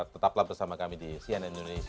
tetaplah bersama kami di cnn indonesia